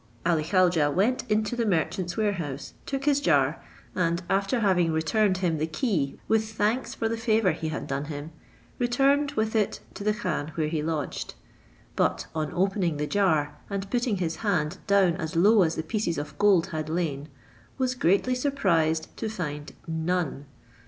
Ali Khaujeh went into the merchant's warehouse, took his jar; and after having returned him the key with thanks for the favour he had done: him, returned with it to the khan where he lodged; but on opening the jar, and putting his hand down as low as the pieces of gold had lain, was greatly surprised to find none.